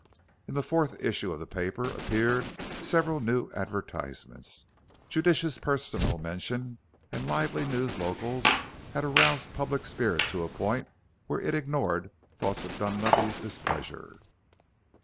In the fourth issue of the paper appeared several new advertisements. Judicious personal mention and lively news locals had aroused public spirit to a point where it ignored thoughts of Dunlavey's displeasure.